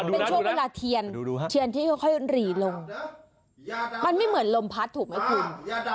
เป็นช่วงเวลาเทียนเทียนที่ค่อยหรี่ลงมันไม่เหมือนลมพัดถูกไหมคุณ